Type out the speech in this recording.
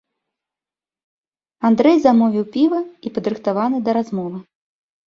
Андрэй замовіў піва і падрыхтаваны да размовы.